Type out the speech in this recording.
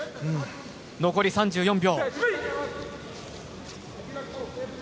残り３４秒。